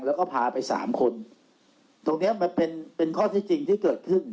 แล้วก็พาไปสามคนตรงเนี้ยมันเป็นเป็นข้อที่จริงที่เกิดขึ้น